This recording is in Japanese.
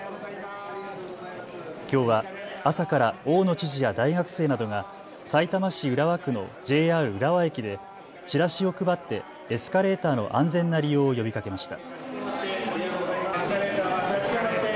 きょうは朝から大野知事や大学生などがさいたま市浦和区のＪＲ浦和駅でチラシを配ってエスカレーターの安全な利用を呼びかけました。